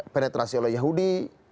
penetrasi oleh yahudi